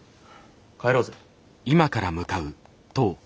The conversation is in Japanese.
帰ろうぜ。